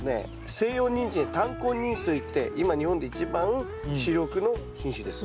西洋ニンジン短根ニンジンといって今日本で一番主力の品種です。